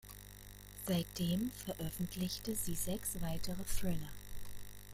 Seitdem veröffentlichte sie sechs weitere Thriller.